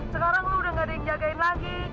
sekarang lu udah gak ada yang jagain lagi